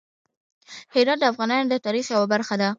هرات د افغانانو د تاریخ یوه برخه ده.